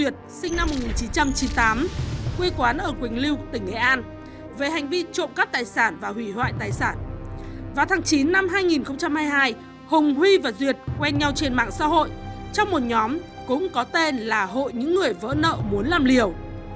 tháng chín năm hai nghìn hai mươi hai hùng huy và duyệt quen nhau trên mạng xã hội trong một nhóm cũng có tên là hội những người vỡ nợ muốn làm liều